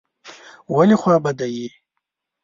ولي خوابدی یې ؟